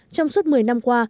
trong suốt một mươi năm qua